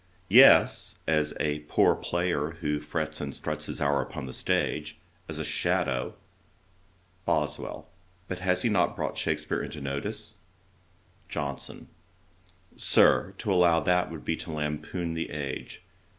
'Yes, as "a poor player, who frets and struts his hour upon the stage;" as a shadow.' BOSWELL, 'But has he not brought Shakspeare into notice?' JOHNSON. 'Sir, to allow that, would be to lampoon the age.